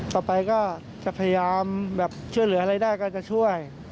ต่อไปก็จะพยายามแบบช่วยเหลืออะไรได้ก็จะช่วย